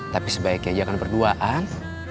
tapi sebaiknya jangan berduaan